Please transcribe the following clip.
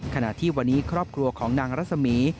ขณะที่วันนี้ครอบครัวของนางรัศมี